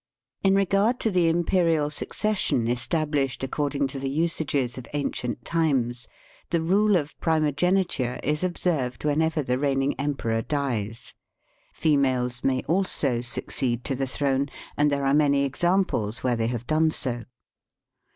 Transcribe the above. In regard to the imperial succession estabhshed according to the usages of ancient times, the rule of primogeniture is observed whenever the reigning emperor dies. Females may also succeed to the throne, and there are many examples where they have done so.